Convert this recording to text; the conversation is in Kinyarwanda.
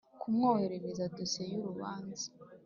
Kumwoherereza dosiye y urubanza